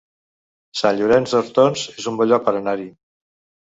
Sant Llorenç d'Hortons es un bon lloc per anar-hi